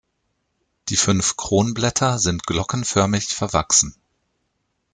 Die fünf Kronblätter sind glockenförmig verwachsen.